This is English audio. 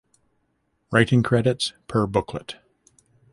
Writing credits per booklet.